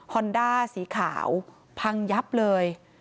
อนด้าสีขาวพังยับเลย